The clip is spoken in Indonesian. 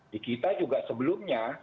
di kita juga sebelumnya